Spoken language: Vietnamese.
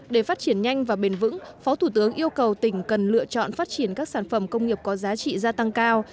để phát triển nhanh và bền vững phó thủ tướng yêu cầu tỉnh cần lựa chọn phát triển các sản phẩm công nghiệp có giá trị gia tăng cao